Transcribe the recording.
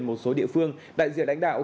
một số địa phương đại diện đảnh đạo